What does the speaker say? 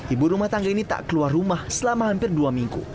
ibu rumah tangga ini tak keluar rumah selama hampir dua minggu